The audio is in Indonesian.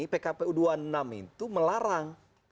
pkpu dua puluh enam itu melarang